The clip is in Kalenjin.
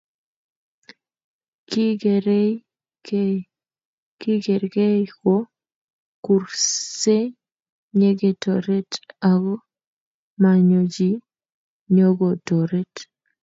kikerei kei ko kursei nyeketoret ako manyo chi nyokotoret